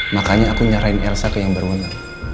makanya aku nyarahin elsa ke yang berwenang